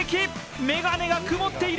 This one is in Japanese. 眼鏡が曇っている！